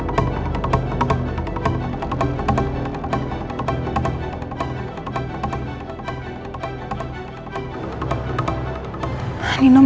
bukan wrists panjang waren